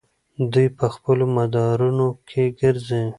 دوی په خپلو مدارونو کې ګرځي.